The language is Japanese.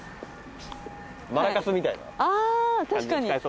あ確かに。